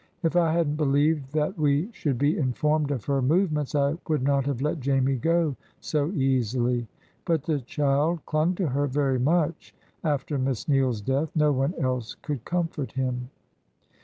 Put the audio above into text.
If I hadn't believed that we should be informed of her movements, I would not have let Jamie go so easily. But the child clung to her very much after Miss Neale's death; no one else could comfort him."